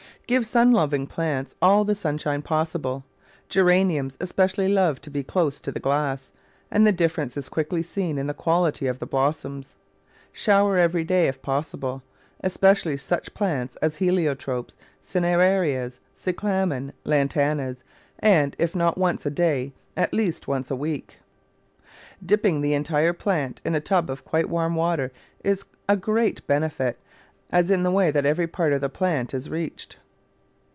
Give sun loving plants all the sunshine possible. Geraniums especially love to be close to the glass, and the difference is quickly seen in the quality of the blos soms. Shower every day, if possible, especially such plants as Heliotropes, Cinerarias, Cyclamen, Lan tanas, and, if not once a day, at least once a week. Dipping the entire plant in a tub of quite warm water is a great benefit, as in that way every part of the plant is reached.